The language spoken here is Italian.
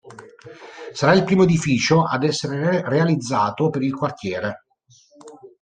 Sarà il primo edificio ad essere realizzato per il quartiere.